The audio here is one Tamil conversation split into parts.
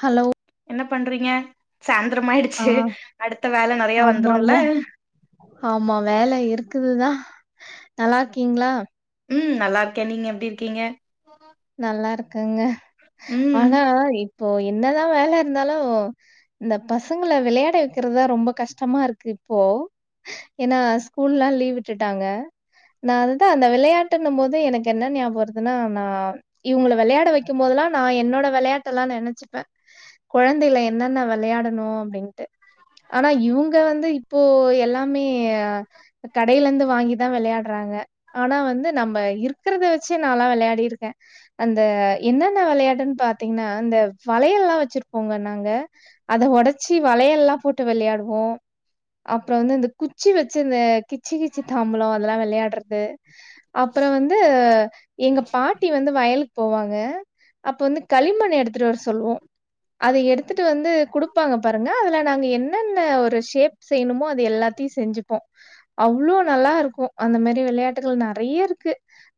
ஹலோ என்ன பண்றீங்க ஆ சாய்ந்திரமாயிடுச்சு அடுத்த வேல நெறைய ஆமாங்க. வந்துருல ஆமா வேலை இருக்குதுதா நல்லார்க்கீங்ளா ம் நல்லார்க்கே நீங்க எப்டி இர்க்கீங்க நல்லா இருக்குங்க ம் ஆனா இப்போ என்னதா வேல இர்ந்தாலு இந்த பசங்ள விளையாட வெக்கிறத்தா ரொம்ப கஷ்டமாருக்கு இப்போ ஏனா ஸ்கூல்லா லீவ் விட்டுட்டாங்க நான்தா அந்த விளையாட்டுன்னும் போது எனக்கு என்ன நியாப வர்துனா நா இவுங்கிள விளையாட வெக்கும் போதுலா நா என்னோட விளையாட்டெல்லா நெனச்சிப்பே குழந்தைல என்னென்ன விளையாடணு அப்டின்ட்டு ஆனா இவுங்க வந்து இப்போ எல்லாமே கடையிலந்து வாங்கி தா விளையாட்றாங்க ஆனா வந்து நம்ப இர்க்கிறத வச்சு நாலா விளையாடி இருக்க அந்த என்னென்ன விளையாட்டுன்னு பாத்தீங்கன்னா இந்தந்த வளயல்லல்லா வச்சிருப்போங்க நாங்க அத உடைச்சி வளையெல்லா போட்டு விளையாடுவோ அப்ற வந்து அந்த குச்சி வச்சு அந்த கிச்சி கிச்சி தாம்பளம் அதெல்லா விளாட்றது அப்றோ வந்து எங்க பாட் பாட்டி வந்து வயலுக்கு போவாங்க அப்ப வந்து களிமண் எடுத்துட்டு வர சொல்லுவோ அதை எடுத்துட்டு வந்து கொடுப்பாங்க பாருங்க அதுல நாங்க என்னென்ன ஒரு ஷேப் செய்யணுமோ அது எல்லாத்தையு செஞ்சுப்போ அவ்வளவு நல்லா இருக்கு அந்த மாதிரி விளையாட்டுகள் நிறைய இருக்கு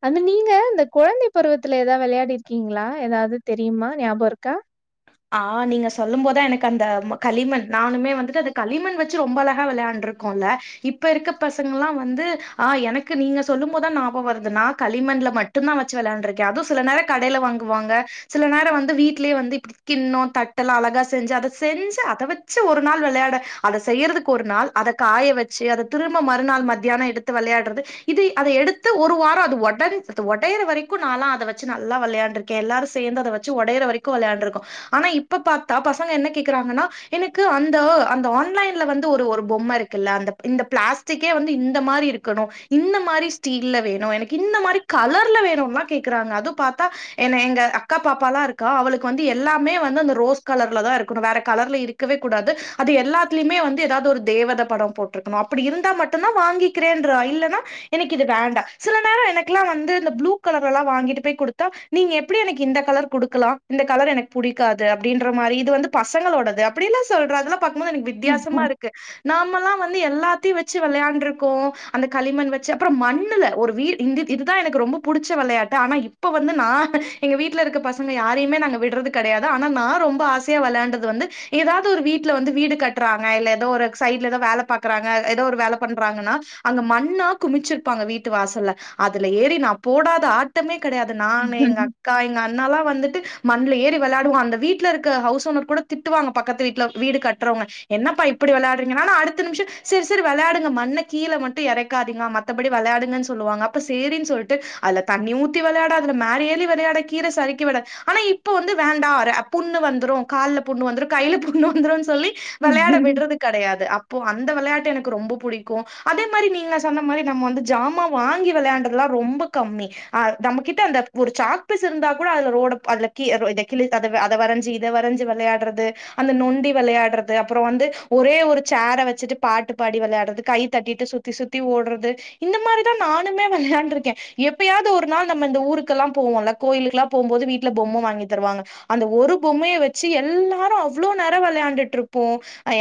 அந்த நீங்க இந்த குழந்தை பருவத்துல ஏதாவது விளையாடி இருக்கீங்களா ஏதாவது தெரியுமா ஞாபக இருக்கா ஆ நீங்க சொல்லு போத எனக்கு அந்த களிமண் நானுமே வந்துட்டு அந்த களிமன் வச்சு ரொம்ப அழகா விளையாண்டுருக்கோம்ல்ல இப்ப இருக்க பசங்க எல்லா வந்து ஆ எனக்கு நீங்க சொல்லு போது தா ஞாபகம் வருது நா களிமண்ல மட்டு [unintelligible] தான் வச்சு விளையாண்டுக்ககே அது சில நேர கடையில வாங்குவாங்க சில நேரம் வந்து வீடலேயே வந்து இப்டி கின்னோ தட்டெல்லா அழகா செஞ்சு அதை செஞ்சு அத வச்சு ஒரு நாள் விளையாட அதை செய்யறதுக்கு ஒரு நாள் அத காய வச்சு அத திரும்ப மறுநாள் மத்தியான எடுத்து விளையாடுறது இது அதை எடுத்து ஒரு வாரம் அது உட ஒடைய வரைக்கு நா அதை வச்சு நல்லா விளையாண்டக்கே எல்லாரு சேர்ந்து அதை வச்சு ஒடைய வரைக்கு [unintelligible] ஆனா இப்ப பாத்தா பசங்க என்ன கேக்குறாங்கன்னா எனக்கு அந்த அந்த ஆன்லைன்ல வந்து ஒரு ஒரு பொம்மை இருக்கு இல்ல அந்த இந்த பிளாஸ்டிக்கே வந்து இந்த மாரி இருக்கணு இந்த மாதிரி ஸ்டீல்ல வேணு எனக்கு இந்த மாதிரி கலர்ல வேணும்லா கேக்குறாங்க அது பார்த்தா என்ன எங்க அக்கா பாப்பாலா இருக்கா அவளுக்கு வந்து எல்லாமே வந்து அந்த ரோஸ் கலர்ல தா இருக்கணு வேற கலர்ல இருக்கவே கூடாது அது எல்லாத்தலுமே வந்து ஏதாவது ஒரு தேவத படம் போட்டிருக்கணு அப்டி இருந்தா மட்டும்தா வாங்கிக்கிறே இல்லன்னா எனக்கு இது வேண்டா சில நேரம் எனக்குெல்லா வந்து இந்த ப்ளூ கலர் எல்லா வாங்கிட்டு போய் கொடுத்தா நீங்க எப்படி எனக்கு இந்த கலர் கொடுக்கலா இந்த கலர் எனக்கு புடிக்காது அப்டின்ற மாதிரி இது வந்து பசங்களோட அப்டில்லா சொல்றதுல பாக்குபோது எனக்கு வித்தியாசமா இருக்கு நாம எல்லா வந்து எல்லாத்த வச்சு விளையாண்டு இருக்கு அந்த களிமண் வச்சு அப்பற மண்ணல ஒரு இது தா எனக்கு ரொம்ப புடிச்ச வெளையாட்டு ஆனா இப்ப வந்து நா எங்க வீட்ல இருக்க பசங்க யாரையுமே நாங்க விட்றதுக்கு கிடையாது ஆனா நா ரொம்ப ஆசையா விளையாண்டது வந்து ஏதாவது ஒரு வீட்டுல வந்து வீடு கட்டுறாங்க இல்ல ஏதோ ஒரு சைட்ல ஏதோ வேலை பாக்குறாங்க ஏதோ ஒரு வேலை பண்றாங்கன்னா அங்க மண்ணா குமிச்சிருப்பாங்க வீட்டு வாசல்ல அதுல ஏறி நா போடாத ஆ சுத்தமே கிடையாது நா எங்க அக்கா எங்க அண்ணாலா வந்துட்டு மண்ணல ஏறி விளாடுவங்க அந்த வீட்டல இருக்க ஹவுஸ் ஓனர் கூட திட்டுவாங்க பக்கத்து வீட்டல வீடு கட்டுறவங்க என்ன ப இப்ப ப்டி வெளாட்டுறிங்கன்னா அடுத்த நிமிஷ செரி செரி வெளாடுங்க மண்ண கீழே மட்டு இறக்காதீங்க மத்த மத்தபடி விளையாடுங்கன்னு சொல்லுவாங்க அப்ப சேரினு சொல்லட்டு தண்ணி ஊத்தி விளையாட அதுல மேல ஏறி விளையாட கீர சறுக்கி விடா ஆனா இப்ப வந்து வேண்டா புண்ணு வந்துரு கால புண்ணு வந்துரு கையில புண்ணு வந்துரு சொல்லி விளையாட விடுறது கிடையாது அப்போ அந்த விளையாட்டு எனக்கு ரொம்ப பிடிக்கு அதே மாதிரி நீங்க சொன்ன மாரி நம்ம வந்து ஜாமா வாங்கி விளயாடதுலா ரொம்ப கம்மி அ நம்ம கிட்ட அந்த ஒரு சாக்பீஸ் இருந்தா கூட அதுல ரோட கிஅல கிள்ளி தாண்டுறது அத வரைஞ்சி இத வரைஞ்சு விளையாடுறது அந்த நொண்டி விளையாடுறது அப்புற வந்து ஒரே ஒரு சேரை வச்சுட்டு பாட்டு பாடி விளையாடுறது கை தட்டிட்டு சுத்தி சுத்தி சுத்தி ஓடுறது இந்த மாரிதா நானுமே வெளாண்டுருக்கே எப்பயாவது ஒரு நாள் நம்ம இந்த ஊருக்கெல்லா போவோல்ல கோயிலுெல்லா போம் போது வீட்டுல பொம்ம் வாங்கி தவாங்க அந்த ஒரு பொம்மையை வச்சு எல்லாரு அவ்வளோ நேர விளையாண்டுட்டு இருப்போ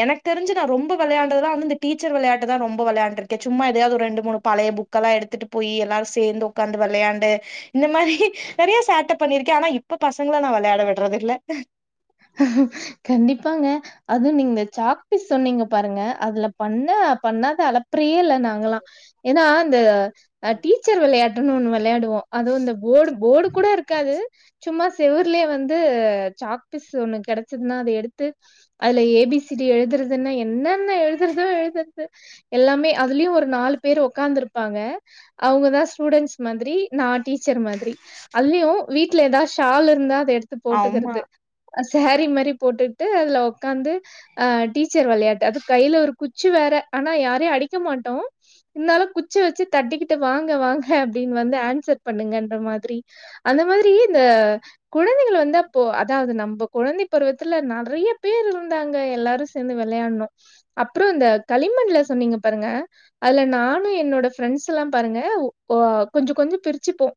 எனக்கு தெரிஞ்ச நா ரொம்ப விளையாறதுலா வ இந்தடீச்சர் விளையாட்டுதா ரொம்ப விளையாண்ட இருக்கே சும்மா ஏதாவது ஒரு ரெண்டு மூணு பழைய புக் உக்கெல்லா எத்துட்டு போய் எல்லாரு சேர்ந்து உட்காந்து விளையாண்டு இந்த மாரி நெறய சேட்ட பண்ணிருக்கே ஆனா இப்ப பசங்களை நா விளையாட விடுறது இல்ல ஆஹ [unintelligible] கண்டிப்பாங்க அது நீங்க சாக்பீஸ் சொன்னீங்க பாருங்க அதுல பண்ண பண்ணாத அளப் பிரியல்ல நாங்கெல்லா ஏனா அந்த டீச்சர் வெளையாட்டுணு ஒன்னு வெளையாடுவோ அ அது போடு போடு கூட இருக்காது சும்மா செவுர்லயே வந்து சாக் பிசு ஒண்ணு கெடைச்சதுன்னா அத எடுத்து அதுல ஏ பி சி டி எழுதற்துதன்ன என்னன்ன எழுதுதற்தோ எழுததுதற்து எல்லாமே அதுலயு ஒரு நாலு பேர் உக்காந்துருப்பாங்க அவுங்கதா ஸ்டூடன்ஸ் மாதிரி நா டீச்சர் மாதிரி அதுலயு வீட்ல எதா ஷால் இருந்தா அத எடுத்து ஆமா போட்டுக்கிறது செரீ மேரி போட்டுட்டு அதுல உக்காந்து அ டீச்சர் வெளையாட்டு அது கையில ஒரு குச்சி வேற ஆனா யாரையு அடிக்க மாட்டோ இருந்தாலு குச்சி வச்சு தட்டிக்கிட்டு வாங்க வாங்க அப்டின்னு வந்து ஆன்சர் பண்ணுங்கன்ற மாரி அந்த மாதிரி இந்த குழந்தைகள் வந்த போ அது நம்ப குழந்தை பருவத்துல நெறைய பேர் இருந்தாங்க எல்லாரு சேந்து வெளையான்ணு அப்றோ இந்த களிமண்ணுல சொன்னீங்க பாருங்க அதுல நானு என்னோட ஃப்ரெண்ட்ஸ் எல்லா பாருங்க கொஞ்சோ கொஞ்சோ பிரிச்சுப்போ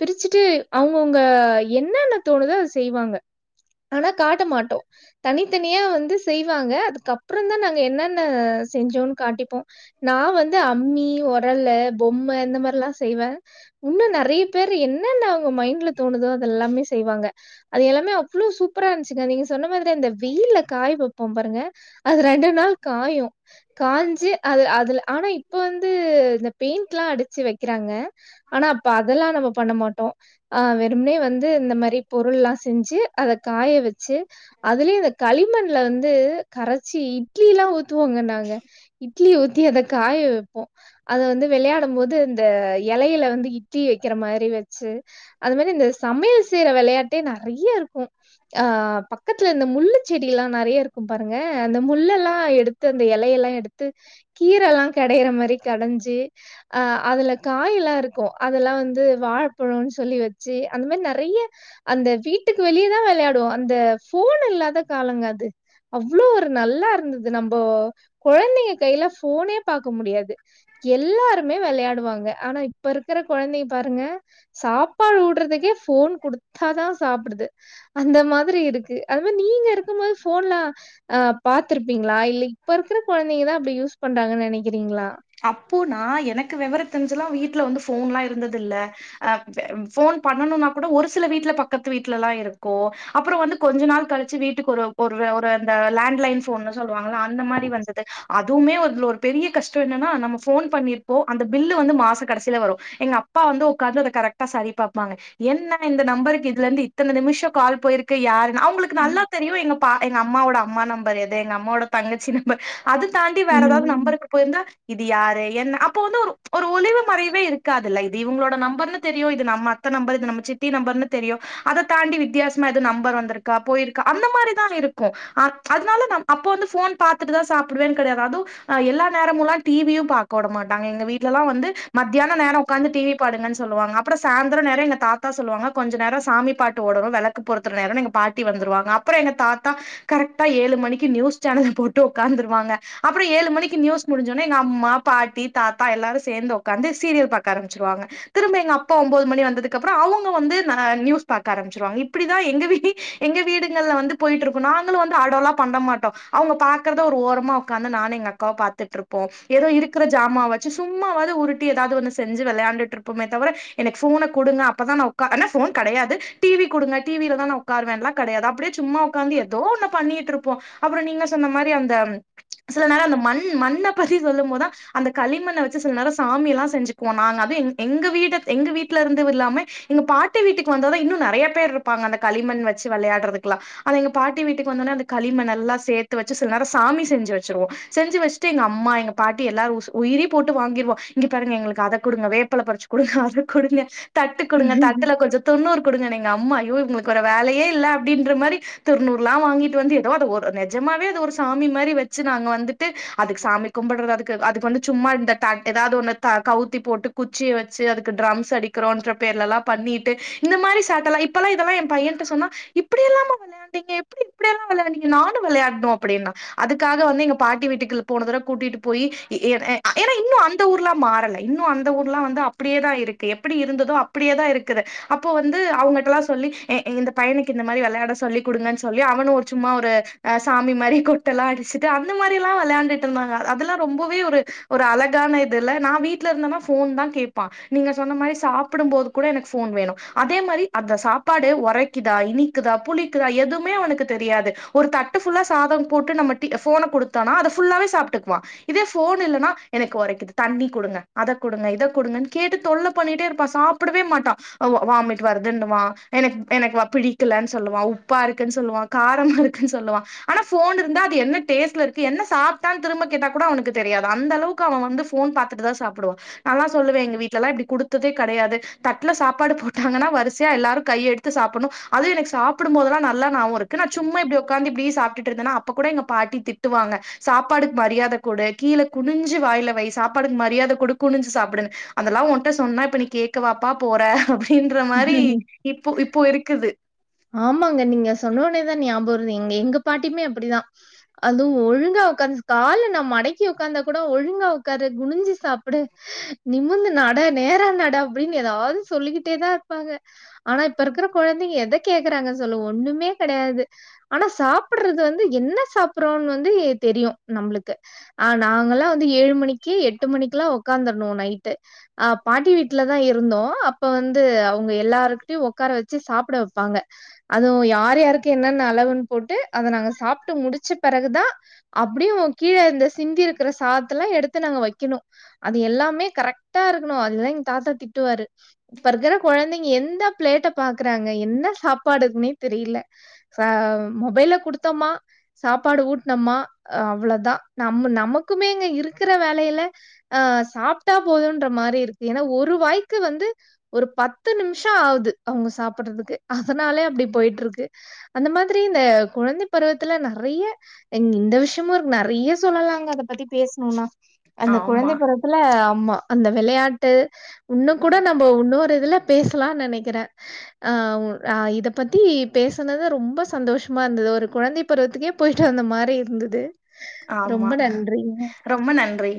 பிரிச்சுட்டு அவுங்கவுங்க என்னன்ன தோணுதோ அது செய்வாங்க ஆனா காட்ட மாட்டோ தனித்தனியா வந்து செய்வாங்க அதுக்கப்றோ தா நாங்க என்னன்ன செஞ்சோம்ன்னு காட்டிப்போ நா வந்து அம்மி ஒரல்லு பொம்ம இந்த மாரில்லா செய்வே இன்னு நெறைய பேர் என்னன்ன அவுங்க மைண்ட்ல தோணுதோ அது எல்லாமே செய்வாங்க அது எல்லா இவ்ளோ சூப்பரா இருந்துச்சுங்க நீங்க சொன்ன மாதிரி அந்த வெயில்ல காய வைப்போ பாருங்க அது ரெண்டு நாள் காயு காஞ்சு அது அதுல ஆனா இப்ப வந்து இந்த பெயிண்ட்ல்லா அடிச்சு வைக்கிறாங்க ஆனா அப்ப அதெல்லா நம்ம பண்ண மாட்டோ ஆ வெறுமெனே வந்து இந்த மாதிரி பொருள்ல்லா செஞ்சு அத காய வெச்சு அதுலியு இந்த களிமண்ல வந்து கரைச்சி இட்லில்லா ஊத்துவாங்கோ நாங்க இட்லி ஊத்தி அத காய வைப்போ அது வந்து வெளையாடு போது இந்த எலையில வந்து இட்டிலி வைக்கிற மாரி வச்சு அது மேரி இந்த சமையல் செய்ற வெளையாட்டே நெறைய இருக்கு ஆ பக்கத்துல இந்த முள்ளு செடில்லா நெறைய இருக் இத பாருங்க அந்த முள்ளெல்லா எடுத்து அந்த எலையெல்லா எடுத்து கீரல்லா கெடையிற மேரி கடஞ்சு அ அதுல காய் எல்லா இருக்கு அதெல்லா வந்து வாழைப்பழம்னு சொல்லி வச்சு அந்த மேரி நெறைய அந்த வீட்டுக்கு வெளியேதா வெளையாடுவோ அந்த ஃபோன் இல்லாத காலங்க அது அவ்ளோ ஒரு நல்லா இருந்தது நம்ப கொழந்தைங்க கையில ஃபோனே பாக்க முடியாது எல்லாருமே வெளையாடுவாங்க ஆனா இப்ப இருக்குற கொழந்தை பாருங்க சாப்பாடு ஊட்றத்துக்கே ஃபோன் குடுத்ததான் சாப்பிடுது அந்த மாதிரி இருக்கு அது மாரி நீங்க இருக்கு போது ஃபோன்ல அ பாத்திருப்பீங்களா இல்ல இப்ப இருக்குற கொழந்தைங்க தா அப்டியூஸ் கொண்டாங்கனு நெனைக்கிறீங்ளா அப்பு நா எனக்கு வெவரோ தெரிஞ்சலா வீட்ல வந்து ஃபோன்லா இருந்தது இல்ல அ ஃபோன் பண்ணணுனா கூட ஒரு சில வீட்ல பக்கத்து வீட்லல்லா இருக்கு அப்றோ வந்து கொஞ்சோ நாள் கழிச்சு வீட்டுக் ஒரு ஒரு ஒரு அந்த லேண்ட் லைன் ஃபோன் சொல்லுவாங்களா அந்த மாரி வந்துது அதுவுமே ஒரு ஒரு பெரிய கஷ் த்து என்னென்னா நம்ம ஃபோன் பண்ணிருப்போ அந்த பில்லூ வந்து மாச கடைசியில வரு எங்க அப்பா வந்து உக்கார்ந்து கரெக்ட் சரி பாப்பாங்க என்ன இந்த நம்பருக்கு இதுல இருந்து இத்தன நிமிஷோ கால் போயிருக்கு யாரு அவுங்களுக்கு நல்லா தெரியு எங்க பா எங்க அம்மாவோட அம்மா நம்பர் எது எங்க அம்மோட தங்கச்சி நம்பர் அது தாண்டி வேற எதாவது ம். நம்பருக்கு போயிருந்தா இது யாரு என்ன அப்போ வந்து ஒரு ஒரு ஒளிவு மறைவே இருக்காதுல்ல இது இவுங்களோட நம்பர்னு தெரியு இது நம்ம இந்த நம்பர் இது நம்ம சித்தி நம்பர்னு தெரியு அத தாண்டி வித்யாஸ்மா எது நம்பர் வந்துருக்கா போயிருக்கா அந்த மாரிதா இருக்கு ஆ அதுனால நம் அப்போ வந்து ஃபோன் பாத்துட்டுதா சாப்புடுவேன் கெடைது அதும் அ எல்லார் நேரமுல்லா டி வி யும் பாக்க வுடமாட்டாங்க எங்க வீட்டுலல்லாம் வந்து மத்தியான நேரம் ஒக்காந்து டி வி பாருங்கன் சொல்வாங்க அப்ரம் சாய்ந்தரம் நேரே எங்க தாத்தா சொல்லுவாங்க கொஞ்ச நேரம் சாமி பாட்டு ஓடனும் வெளக்கு பொருத்ற நேரோ எங்க பாட்டி வந்துருவாங்க அப் அப்பறோ எங்க தாத்தா கரெக்டா ஏழு மணிக்கு நியூஸ் சேனல போட்டு உக்காந்துருவாங்க அப்பறோ ஏழு மணிக்கு நியூஸ் முடிஞ்சோனா எங்க அம்மா பாட்டி தாத்தா எல்லாரு சேந்து உக்காந்து சீரியல் பாக்க ஆரம்பிச்சிருவாங்க திரும்ப எங்க அப்பா ஒம்போது மணி வந்ததுக்கு அப்றோ அவங்க வந்து ந நியூஸ் பாக்க ஆரம்பிச்சிருவாங்க இப்டிதா எங்க வீட்ல எங்க வீடுங்கள்ல வந்து போயிட்டு இருக்கும் நாங்களும் வந்து அடோலா பண்ண மாட்டோம் அவங்க பாக்கறத ஒரு ஓரமா காந்ந நானு எங்க அக்கா பாத் திட்ருப்போ ஏதோ இருக்கற ஜாமாவ வச்சு சும்மாவது உருட்டி ஏதாது ஒன்னு செஞ்சி வெளையாண்டுட்ருப் போமே தவிர எனக்கு ஃபோன குடுங்க அப்பதா நா உக்கா ஏனா ஃபோன் கெடையாது டி வி குடுங்க டி வி ல தா நா உக் உக்கார் வேன்லா கடையாது அப்டியே சும்மா ஒக்காந்து ஏதோ ஒண்ணு பண்ணிட்ருப்போம் அப்புறோ நீங்க சொன்ன மாரி அந்த ம் சில நேரோ அந்த மண் மண்ண பத்தி சொல்லும் போதா அந்த களிமண்ண வச்சு சில நேரோ சாமி எல்லா செஞ்சிக்குவோ நாங்க அதுவு எங்க வீட எங்க வீட்ல இருந்து இல்லாம எங்க பாட்டி வீட்டுக்கு வந்தது இன்னு நெறைய பேர் இருப்பாங்க அந்த களிமண் வச்சு விளையாடுறதுக்குல்லா அத எங்க பாட்டி வீட்டுக்கு வந்தோன்ன அந்த களிமண்ணெல்லா சேத்து வச்சு சில நேரோ சாமி செஞ்சி வச்சருவோம் செஞ்சி வச்சிட் து எங்க அம்மா எங்க பாட்டி எல்லாரு உசு உயிரே போட்டு வாங்கிருவா இங்க பாருங்க எங்களுக்கு அத குடுங்க வேப்பல பறிச்சு குடுங்க அத குடுங்க தட்டு குடுங்க தட்டுல கொஞ்சம் தொண்ணூறு குடுங்கன்ன எங்க அம்மா ஐயோ இவ்ங்களுக்கு வேற வேலயே இல்ல அப்டின்ற மாரி திருநூறுலா வாங்கிட்டு வந்து ஏதோ அது ஒரு நெஜமாவே அது ஒரு சாமி மாரி வச்சி நாங்க வந்துட்டு அதுக்கு சாமி கும்புடுற அதுக்கு அதுக்கு வந்து சும்மா இந்த தட் ஏதாது ஒன்ன கவுத்தி போட்டு கு குச்சிய வச்சி அதுக்கு ட்ரம்ஸ் அடிக்கிறோன்ற பேர்ல எல்லா பண்ணிட்டு இந்த மாரி சட்டலா இப்பல்லா இதெல்லா எ பையன்ட்ட சொன்னா இப்படி எல்லாமா பண்ல நீங்க எப்டி இப்டியெல்லாம் வெளயாண்டீங்க நானும் வெளயாணும் அப்படின்னா அதுக்காக வந்து எங்க பாட்டி வீட்டுக்குள்ள போன தடவ கூட்டிட்டு போயி ஏ ய ஏன்னா இன்னும் அந்த ஊர்லா மாறல இன்னும் அந்த ஊர்லாம் வந்து அப் அப்டியேதான் இருக்கு எப்படி இருந்ததோ அப்படியே தா இருக்குது அப்போ வந்து அவுங்கட்லாம் சொல்லி ஏ இந்த பையனுக்கு இந்த மாரி விளையாட சொல்லி் குடுங்கன் சொல்லி அவனு ஒரு சும்மா ஒரு சாமி மாரி கொட் டல்லா அடிச்சிட்டு அந்த மாரில்லா வெளயாண்டுட் இருந்துருந்தாங்க அதெல்லா ரொம்பவே ஒரு ஒரு அழகான இதுல்ல நா வீட்ல இருந்தனா ஃபோன் தா கேப் தா நீங்க சொன்ன மாரி சாப்பிடும் போது கூட எனக்கு ஃபோன் வேணு அதே மாரி அந்த சாப்பாடு ஒரைக் கிதா இனிக்குதா புளிக்குதா எதுமே அவனுக்கு தெரியாது ஒரு தட்டு ஃபுல்லா சாதோ போட்டு நம்ம டி ஃபோன குடுத் தானா அத ஃபுல்லாவே சாப்ட்டுக்குவான் இதே ஃபோன் இல்லன்னா எனக்கு ஒரைக்குது தண்ணி குடுங்க அத குடுங்க இத குடுங்கன் கேட்டு தொல்ல பண்ணிட்டே இருப்பான் சாப் புடவே மாட்டான் அவோ வாமிட் வருதுன்னுவா எனக் எனக்கு பிடிக்கலன் சொல்லுவா உப்பா இருக்குன் சொல்லுவா காரமா இருக்குன் சொல்லுவா ஆனா ஃபோன் இருந்தா அது என்ன டேஸ்ட்ல இருக்கு என்ன சாப் தா திரும்ப கேட்டா கூட அவனுக்கு தெரியாது அந்தளவுக்கு அவ வந்து ஃபோன் பாத்துட்டு தா சாப்பிடுவா நால்லா சொல்லுவே எங்க வீட்லல்லா இப்டி குடுத்ததே கெடையாது தட்ல சாப்பாடு போட்டாங்கன்னா வரிசையா எல்லாரு கைய எடுத் த்து சாப்பணும் அது எனக்கு சாப்புடும் போதுலா நல்லா நாபோம் இருக் இதுக்கு நா சும்மா இப்டி உக்காந்து இப்டி சாப்பிட்டு இருந்தன்னா அப்ப கூட எங்க பாட்டி திட்டுவாங்க சாப்பாடுக் மரியாத குடு கீழ குனிஞ்சு வாயில வை சாப்பாடுக் மரியாத குடு குனிஞ்சு சாப்புடுனு அதெல்லாம் ஒன்ட்ட சொன்னா இப்ப நீ கேக்க வாப்பா போற அப்டின்ற மாரி ம். இப்போ இப்போ இருக்குது ஆமாங்க நீங்க சொன்னோனேதா ஞாபோ வருது இங்க எங்க பாட்டிமே அப்டிதா அதுவும் ஒழுங்கா ஒக்காந் கால் நா மடக்கி உக்காந்தா குட ஒழுங்கா உக்காரு குனிஞ்சி சாப்புடு நிமிந்து நட நேரா நட அப்டின்னு ஏதாவது சொல்லிக்கிட்டே தா இருப்பாங்க ஆனா இப்ப இருக்கிற குழந்தைங்க எத கேக்குறாங்க சொல்லு ஒண்ணுமே கெடையாது ஆனா சாப்ட்டுறது வந்து என்ன சாப்ட்றோம்னு வந்து தெரியும் நம்மளுக்கு ஆ நாங்கல்லாம் வந்து ஏழு மணிக்கி எட்டு மணிக்குலாம் உக்காந்துரணும் நைட்டு அ பாட்டி வீட்டுலதா இருந்தோ அப்ப வந்து அவங்க எல்லாருக்கிட்டயு உக்கார வச்சு சாப்பிட ப்பாங்க அதுவும் யார் யாருக்கு என்னன்ன அளவுன்னு போட்டு அத நாங்க சாப்பிட்டு முடிச்ச பிறகுதா அப்படியும் கீழ இந்த சிந்தி இருக்குற சாதத்தல்லாம் எடுத்து நாங்க வைக்கணும் அது எல்லாமே கரெக்ட்டா இருக்கணும் அதுதா எங்க தாத்தா திட்டுவாரு இப்பருக்கிற குழந்தைங்க எந்த பிளேட்ட பாக்குறாங்க என்ன சாப்பாடு இருக்குன்னே தெரியல ச மொபைல்ல கொடுத்தோம்மா சாப்பாடு ஊட்டினம்மா அவளோதா நம் நமக்குமே இங்க இருக்கிற வேலையில அ சாப்ட்டா போதுன்ற மாதிரி இருக்கு ஏன்னா ஒரு வாய்க்கு வந்து ஒரு பத்து நிமிஷம் ஆகுது அவங்க சாப்பிறதுக்கு அதனாலே அப்படி போயிட்டு இருக்கு அந்த மாதிரி இந்த குழந்தை பருவத்துல நிறைய இந்த விஷயமும் நிறைய சொல்லலாங்க அத பத்தி பேசணும்னா அந்த ஆமா குழந்தைபருவத்துல ஆமா அந்த விளையாட்டு உன்னும் கூட நம்ம உன்னொரு இதுல பேசலா நினைக்கிறே ஆ ஆ இத பத்தி பேசுனது ரொம்ப சந்தோஷமா இருந்தது ஒரு குழந்தை பருவத்துக்கே போயிட்டு வந்த மாரி இருந்துது ரொம்ப ஆமா நன்றிங்க ரொம்ப நன்றி